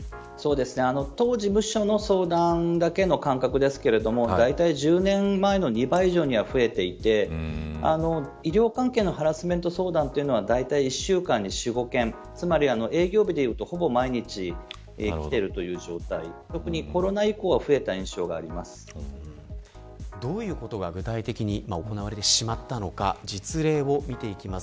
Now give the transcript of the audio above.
当事務所の相談だけの感覚ですけどだいたい１０年前の２倍以上には増えていて医療関係のハラスメント相談というのは大体１週間に４、５件営業部でいうと、ほぼ毎日きているという状態で、特にコロナ以降増えた印象がどういうことが具体的に行われてしまったのか実例を見ていきます。